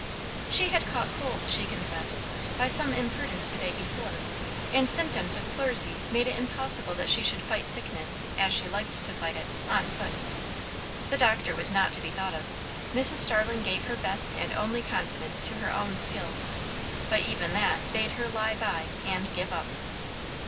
She had caught cold, she confessed, by some imprudence the day before; and symptoms of pleurisy made it impossible that she should fight sickness as she liked to fight it, on foot. The doctor was not to be thought of; Mrs. Starling gave her best and only confidence to her own skill; but even that bade her lie by and "give up."